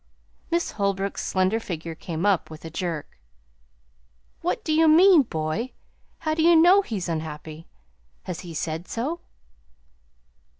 Miss Holbrook's slender figure came up with a jerk. "What do you mean, boy? How do you know he's unhappy? Has he said so?"